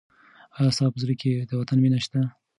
آیا ستا په زړه کې د وطن مینه شته؟